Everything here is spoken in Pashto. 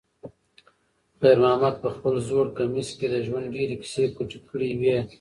خیر محمد په خپل زوړ کمیس کې د ژوند ډېرې کیسې پټې کړې وې.